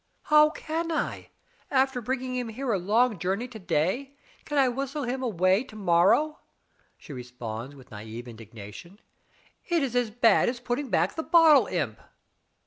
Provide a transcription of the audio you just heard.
"How can I? After bringing him here a long journey to day, can I whistle him away to mor row?" she responds with naive indignation. "It is as bad as putting back the bottle imp."